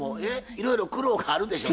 いろいろ苦労があるでしょ？